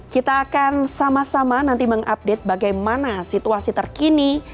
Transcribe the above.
kita akan sama sama nanti mengupdate bagaimana situasi terkini